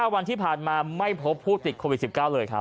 วันที่ผ่านมาไม่พบผู้ติดโควิด๑๙เลยครับ